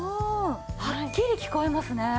はっきり聞こえますね。